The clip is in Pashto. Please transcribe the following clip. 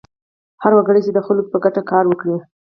هر وګړی چې د خلکو په ګټه کار وکړي.